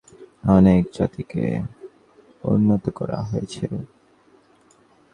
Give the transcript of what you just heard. অনেক জাতিকে উন্নত করা হয়েছেও।